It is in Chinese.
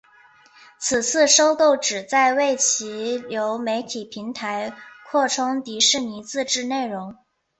此次收购旨在为其流媒体平台扩充迪士尼自制内容。